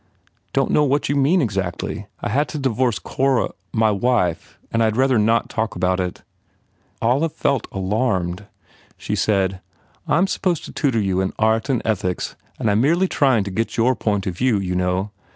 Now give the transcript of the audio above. "Don t know what you mean exactly. I had to divorce Cor my wife and I d rather not talk about it." Olive felt alarmed. She said, "I m supposed to tutor you in art and ethics and I m merely try ing to get your point of view, you know?